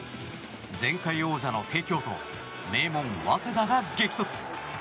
前回王者の帝京と名門・早稲田が激突。